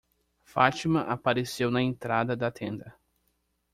Fátima apareceu na entrada da tenda.